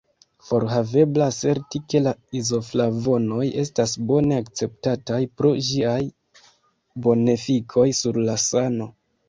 Forhavebla aserti ke la izoflavonoj estas bone akceptataj pro ĝiaj bonefikoj sur la sano.